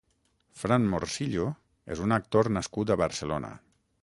Fran Morcillo és un actor nascut a Barcelona.